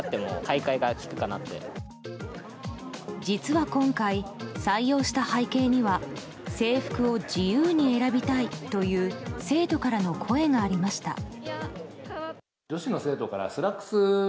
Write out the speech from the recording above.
実は今回、採用した背景には制服を自由に選びたいという生徒からの声がありました。